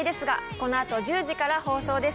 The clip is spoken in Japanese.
このあと１０時から放送です